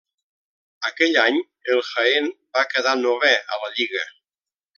Aquell any, el Jaén, va quedar novè a la lliga.